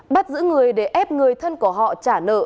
bắt giữ người để ép người thân của họ trả nợ